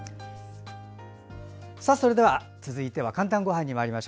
それでは、続いては「かんたんごはん」です。